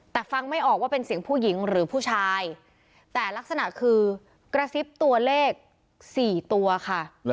แต่ฟังไม่ออกว่าเป็นเสียงผู้หญิงหรือผู้ชายแต่ลักษณะคือกระซิบตัวเลข๔ตัวค่ะ